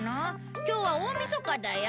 今日は大みそかだよ？